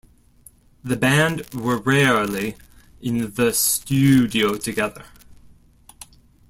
The band were rarely in the studio together.